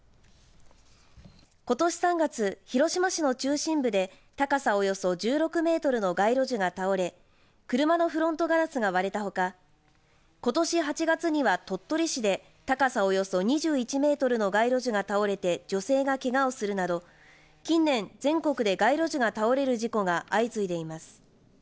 ことし３月、広島市の中心部で高さおよそ１６メートルの街路樹が倒れ車のフロントガラスが割れたほかことし８月には鳥取市で高さおよそ２１メートルの街路樹が倒れて女性がけがをするなど近年、全国で街路樹が倒れる事故が相次いでいます。